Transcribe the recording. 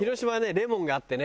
レモンがあってね。